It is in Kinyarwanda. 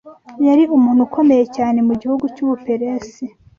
Yari umuntu ukomeye cyane mu gihugu cy’u Buperesi